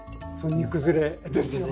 煮崩れですよね。